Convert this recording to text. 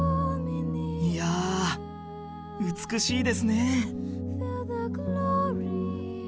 いやあ美しいですね